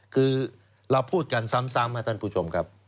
คือเราพูดกันซ้ำครับท่านผู้ชมครับ